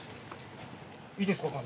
いいですか。